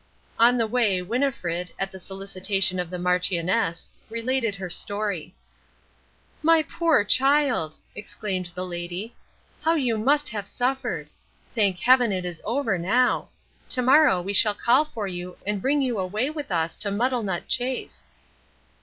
On the way Winnifred, at the solicitation of the Marchioness, related her story. "My poor child!" exclaimed the lady, "how you must have suffered. Thank Heaven it is over now. To morrow we shall call for you and bring you away with us to Muddlenut Chase."